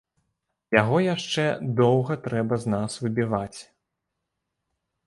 Яго яшчэ доўга трэба з нас выбіваць.